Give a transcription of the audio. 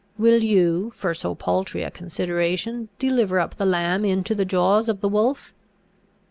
Will you for so paltry a consideration deliver up the lamb into the jaws of the wolf?